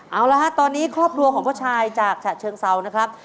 เอาละฮะตอนนี้ครอบครัวของพ่อชายจากฉะเชิงเซานะครับ